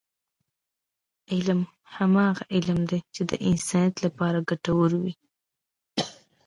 علم هماغه علم دی، چې د انسانیت لپاره ګټور وي.